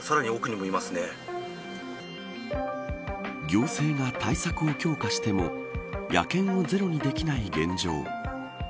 行政が対策を強化しても野犬をゼロにできない現状。